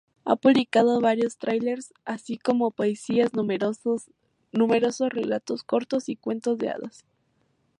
Ha publicado varios thrillers así como poesía, numerosos relatos cortos y cuentos de hadas.